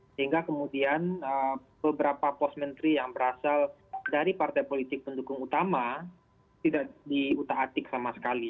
sehingga kemudian beberapa pos menteri yang berasal dari partai politik pendukung utama tidak diutak atik sama sekali